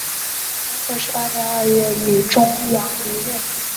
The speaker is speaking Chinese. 嘉庆十八年二月以终养离任。